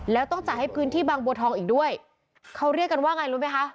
แล้วต้องจ่ายให้พื้นที่บางบัวทองอีกด้วยเขาเรียกกันว่าไงรู้ไหมคะ